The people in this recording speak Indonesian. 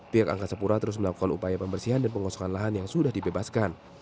pihak angkasa pura terus melakukan upaya pembersihan dan pengosokan lahan yang sudah dibebaskan